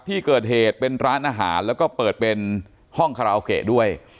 ที่เกิดเหตุเป็นร้านอาหารแล้วก็เปิดเป็นห้องคาราโอเกะด้วย